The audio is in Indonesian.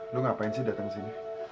lo ngapain sih datang ke sini